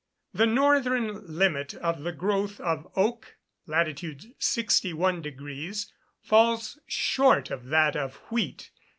The northern limit of the growth of oak, lat. 61 deg., falls short of that of wheat.